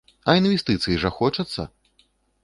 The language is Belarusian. А інвестыцый жа хочацца!